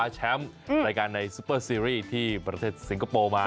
แชมป์รายการในซุปเปอร์ซีรีส์ที่ประเทศสิงคโปร์มา